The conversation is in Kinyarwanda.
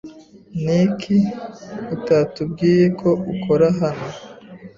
Niki utatubwiye ko ukora hano?